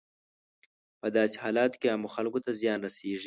په داسې حالاتو کې عامو خلکو ته زیان رسیږي.